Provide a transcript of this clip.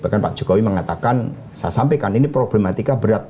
bahkan pak jokowi mengatakan saya sampaikan ini problematika berat